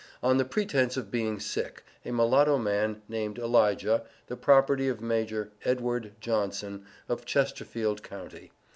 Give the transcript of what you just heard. on the pretence of being sick, a mulatto man, named ELIJAH, the property of Maj. Edward Johnson, of Chesterfield county.